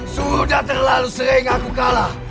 sudah terlalu sering aku kalah